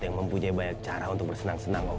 yang mempunyai banyak cara untuk bersenang senang